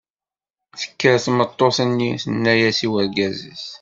Tekker tmeṭṭut-nni tenna-as i urgaz-is.